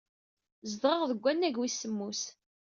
Zedɣeɣ deg wannag wis semmus.